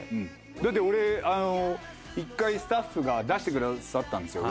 だって俺１回スタッフが出してくださったんですよ